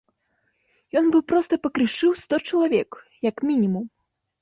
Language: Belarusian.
Ён бы проста пакрышыў сто чалавек, як мінімум.